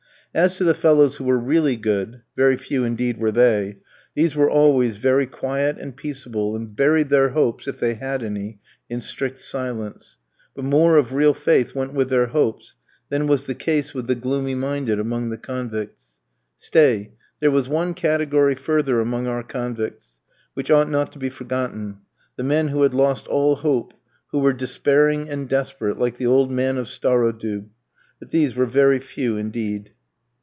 As to the fellows who were really good very few indeed were they these were always very quiet and peaceable, and buried their hopes, if they had any, in strict silence; but more of real faith went with their hopes than was the case with the gloomy minded among the convicts. Stay, there was one category further among our convicts, which ought not to be forgotten; the men who had lost all hope, who were despairing and desperate, like the old man of Starodoub; but these were very few indeed.